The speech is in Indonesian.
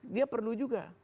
dia perlu juga